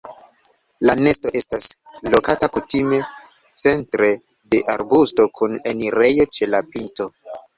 La nesto estas lokata kutime centre de arbusto kun enirejo ĉe la pinto.